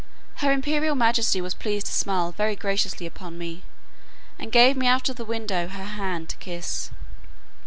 Her imperial majesty was pleased to smile very graciously upon me, and gave me out of the window her hand to kiss.